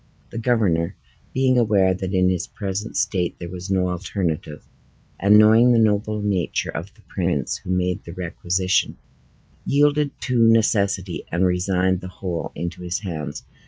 The governor, being aware that in his present state there was no alternative, and knowing the noble nature of the prince who made the requisition, yielded to necessity, and resigned the whole into his hands.